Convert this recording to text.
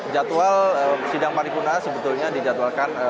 jadwal sidang paripurna sebetulnya di jadwal ke tiga